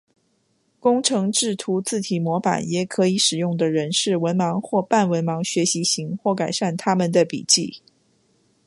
工程制图字体模板也可以使用的人是文盲或半文盲学习型或改善他们的笔迹。